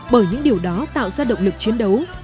bởi những điều đó tạo ra động lực chiến đấu